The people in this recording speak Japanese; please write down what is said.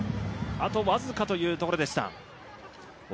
あと僅かというところでした。